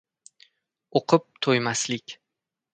O‘qib to‘ymaslik